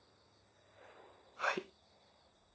はい。